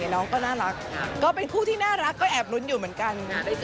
น้องก็น่ารักก็เป็นคู่ที่น่ารักก็แอบลุ้นอยู่เหมือนกัน